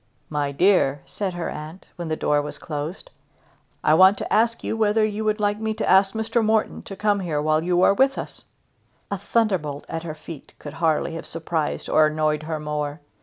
"My dear," said her aunt, when the door was closed, "I want to ask you whether you would like me to ask Mr. Morton to come here while you are with us?" A thunderbolt at her feet could hardly have surprised or annoyed her more.